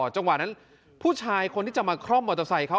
จังหวะนั้นผู้ชายคนที่จะมาคล่อมมอเตอร์ไซค์เขา